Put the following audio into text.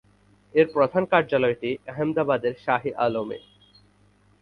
এর প্রধান কার্যালয়টি আহমেদাবাদের শাহে-ই-আলমে।